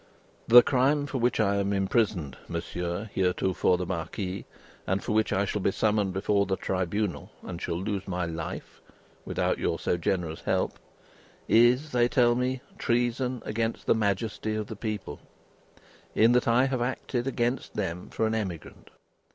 "The crime for which I am imprisoned, Monsieur heretofore the Marquis, and for which I shall be summoned before the tribunal, and shall lose my life (without your so generous help), is, they tell me, treason against the majesty of the people, in that I have acted against them for an emigrant.